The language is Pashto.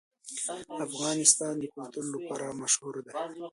افغانستان د کلتور لپاره مشهور دی.